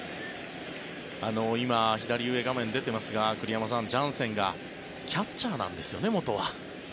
今、左上画面に出ていますが栗山さん、ジャンセンが元はキャッチャーなんですよね。